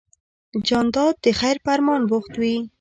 جانداد د خیر په ارمان بوخت وي.